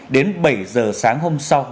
đến bảy h sáng hôm sau